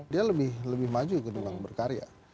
dia lebih maju ke dalam berkarya